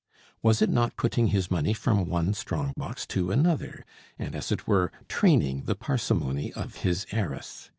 Was it not putting his money from one strong box to another, and, as it were, training the parsimony of his heiress?